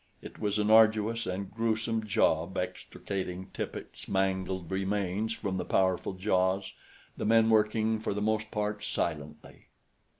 It was an arduous and gruesome job extricating Tippet's mangled remains from the powerful jaws, the men working for the most part silently.